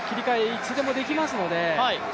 いつでもできますので。